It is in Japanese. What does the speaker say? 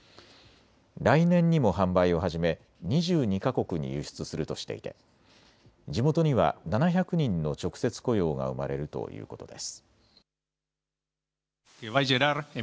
来年にも販売を始め２２か国に輸出するとしていて地元には７００人の直接雇用が生まれるということです。